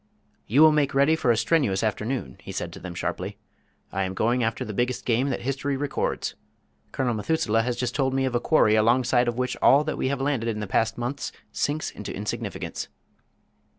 "You will make ready for a strenuous afternoon," he said to them sharply. "I am going after the biggest game that history records. Colonel Methuselah has just told me of a quarry alongside of which all that we have landed in the past months sinks into insignificance."